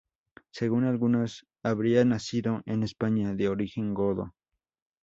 Según algunos habría nacido en España, de origen godo.